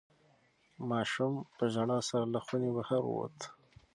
ماشوم په ژړا سره له خونې بهر ووت.